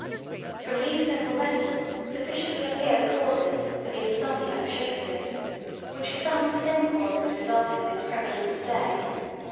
From these several letters sufficiently appear the causes for the insomnia of Shakespeare, which are some of the same causes resulting in its prevalence to day.